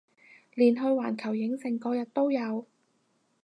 連去環球影城嗰日都有